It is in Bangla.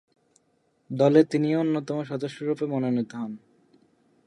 দলে তিনিও অন্যতম সদস্যরূপে মনোনীত হন।